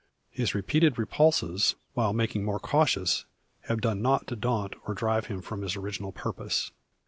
His repeated repulses, while making more cautious, have done nought to daunt, or drive him from his original purpose.